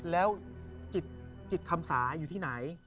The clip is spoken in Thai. แล้วจิตคำสาอยู่ที่ไหน